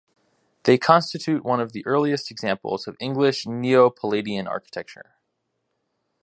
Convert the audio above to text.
They constitute one of the earliest examples of English neo-Palladian architecture.